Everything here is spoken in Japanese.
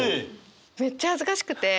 めっちゃ恥ずかしくて。